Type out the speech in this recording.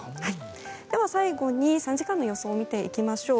では、最後に３時間の予想を見ていきましょう。